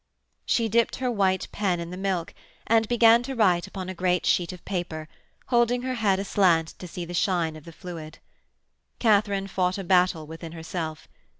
She dipped her white pen in the milk and began to write upon a great sheet of paper, holding her head aslant to see the shine of the fluid. Katharine fought a battle within herself.